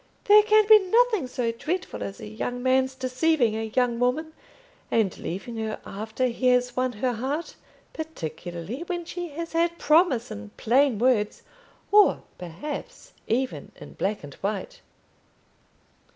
There can be nothing so dreadful as a young man's deceiving a young woman and leaving her after he has won her heart particularly when she has had his promise in plain words, or, perhaps, even in black and white."